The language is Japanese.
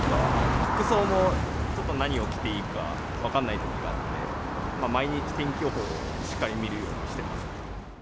服装もちょっと何を着ていいか、分からないときがあって、毎日、天気予報をしっかり見るようにしてます。